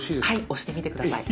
押してみて下さい。